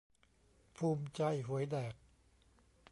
ภูมิใจ หวยแดก